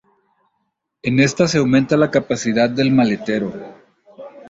En esta se aumenta la capacidad del maletero.